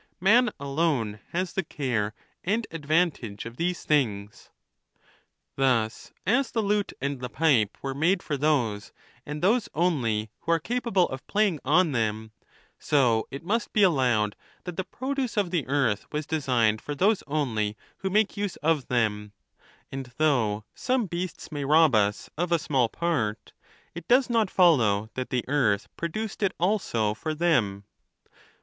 Man alone has the care and ad vantage of these things. LXIII. Thus, as the lute and the pipe were made for those, and those only, who are capable of playing on them, so it must bo allowed that the produce of the earth was designed for those only who make use of them; and THE NATUEE OF THE GODS. 315 though some beasts may rob us of a small part, it does not follow that the earth produced it also for them.